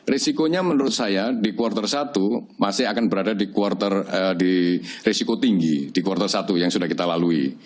risikonya menurut saya di kuartal satu masih akan berada di risiko tinggi di kuartal satu yang sudah kita lalui